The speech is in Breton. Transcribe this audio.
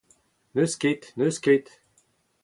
N’eus ket… n’eus ket…